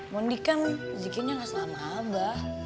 mohon dikang zikirnya nggak selama abah